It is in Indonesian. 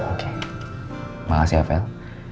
oke makasih ya fel